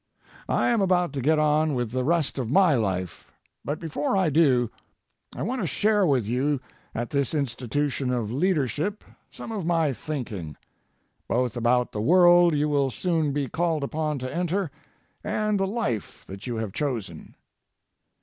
I am about to get on with the rest of my life. But before I do, I want to share with you at this institution of leadership some of my thinking, both about the world you will soon be called upon to enter and the life that you have chosen.